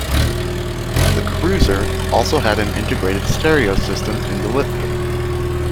The Cruiser also had an integrated stereo system in the liftgate.